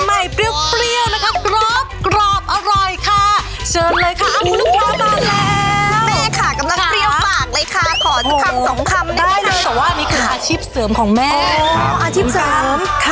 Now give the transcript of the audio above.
ได้เลยแต่ว่านี่คืออาชีพเสริมของม่การ